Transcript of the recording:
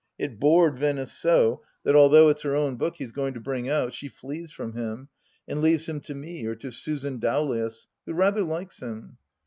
It bored Venice so, that although it's her own book he's going to bring out, she flees from him, and leaves him to me or to Susan Dowlais, who rather likes him.